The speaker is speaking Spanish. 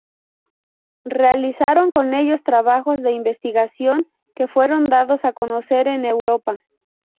Realizaron con ellos trabajos de investigación que fueron dados a conocer en Europa.